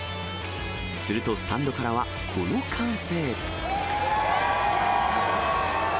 するとスタンドからは、この歓声。